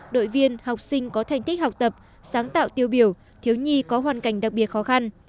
đội viên học sinh có thành tích học tập sáng tạo tiêu biểu thiếu nhi có hoàn cảnh đặc biệt khó khăn